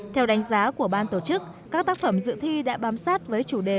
theo đánh giá của ban tổ chức các tác phẩm dự thi đã bám sát với chủ đề